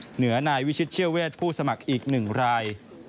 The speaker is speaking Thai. เหนือนายวิชิตเชี่ยวเวทผู้สมัครอีก๑ราย